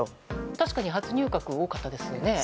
確かに初入閣が多かったですよね。